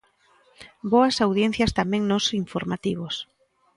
Boas audiencias tamén nos informativos.